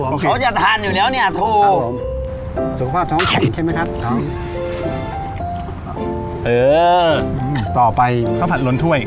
เขาจะทานอยู่แล้วเนี่ยโถสุขภาพท้องแข็งใช่ไหมครับท้องเออต่อไปข้าวผัดล้นถ้วย